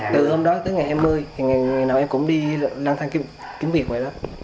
từ hôm đó tới ngày hai mươi ngày nào em cũng đi lăng thang kiếm việc rồi đó